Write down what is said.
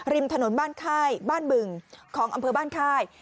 ริมถนนบ้านค่ายบ้านบึงของอำเภอบ้านค่าย